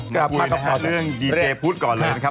มาพูดเรื่องดีเจพุธก่อนเลยนะครับ